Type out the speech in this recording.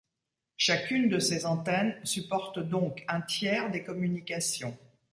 Chacune de ces antennes supporte donc un tiers des communications.